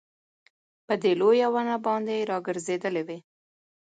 په دې لويه ونه باندي راګرځېدلې وې